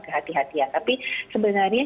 kehatian kehatian tapi sebenarnya